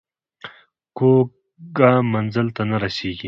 کوږ ګام منزل ته نه رسېږي